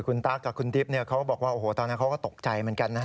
คุณตั๊กกับคุณดิบเขาบอกว่าโอ้โหตอนนั้นเขาก็ตกใจเหมือนกันนะ